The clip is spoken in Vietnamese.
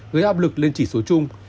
gây áp lực lên chỉ số chung